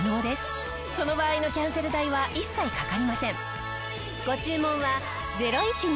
その場合のキャンセル代は一切かかりません。